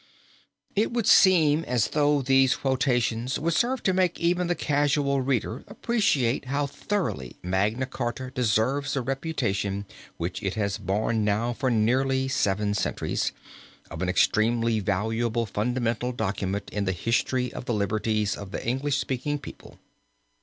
It would seem as though these quotations would serve to make even the casual reader appreciate how thoroughly Magna Charta deserves the reputation which it has borne now for nearly seven centuries, of an extremely valuable fundamental document in the history of the liberties of the English speaking people.